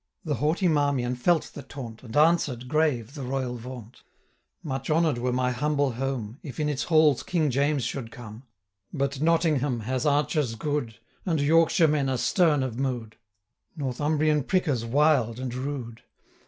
The haughty Marmion felt the taunt, 485 And answer'd, grave, the royal vaunt: 'Much honour'd were my humble home, If in its halls King James should come; But Nottingham has archers good, And Yorkshire men are stem of mood; 490 Northumbrian prickers wild and rude.